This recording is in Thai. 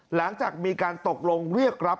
หลังจากมีการตกลงเรียกรับ